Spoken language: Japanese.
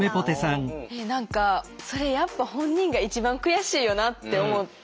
それやっぱ本人が一番悔しいよなって思って。